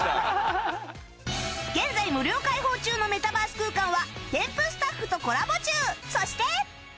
現在無料開放中のメタバース空間はテンプスタッフとコラボ中